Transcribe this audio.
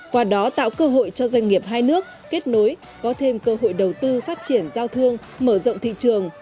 qua đó tạo cơ hội cho doanh nghiệp hai nước kết nối có thêm cơ hội đầu tư phát triển giao thương mở rộng thị trường